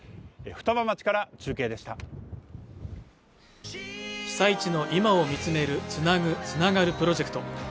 双葉町から中継でした被災地の今を見つめる「つなぐ、つながる」プロジェクト